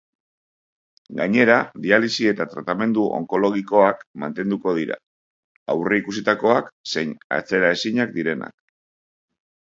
Gainera, dialisi eta tratamendu onkologikoak mantenduko dira, aurreikusitakoak zein atzeraezinak direnak.